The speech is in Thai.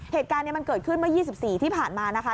เหตุการณ์นี้มันเกิดขึ้นเมื่อ๒๔ที่ผ่านมานะคะ